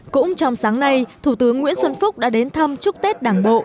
cũng trong sáng nay thủ tướng nguyễn xuân phúc đã đến thăm chúc tết đảng bộ